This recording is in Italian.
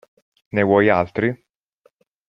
Ne vuoi altri?